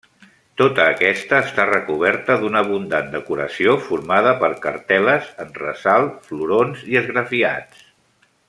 Tota aquesta està recoberta d'una abundant decoració formada per cartel·les en ressalt, florons i esgrafiats.